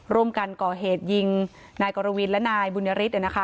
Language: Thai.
ร่วมกันก่อเหตุยิงนายกรวินและนายบุญยฤทธิ์